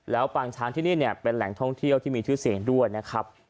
แล้วปางช้างที่นี่เป็นแหล่งท่องเที่ยวที่มีทางเลือด